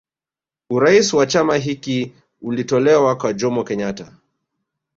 Urais wa chama hiki ulitolewa kwa Jomo Kenyatta